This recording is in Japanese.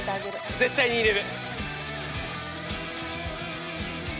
絶対に入れる！